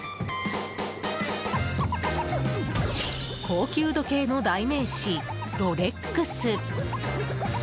高級時計の代名詞、ロレックス。